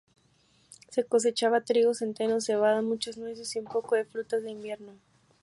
Se cosechaba trigo, centeno, cebada, muchas nueces y un poco de frutas de invierno.